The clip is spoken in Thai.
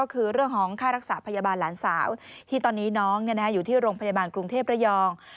ก็คือเรื่องของค่ารักษาพยาบาลหลานสาวที่ตอนนี้น้องอยู่ที่โรงพยาบาลกรุงเทพระยอง